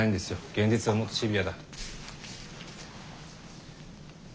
現実はもっとシビアだ。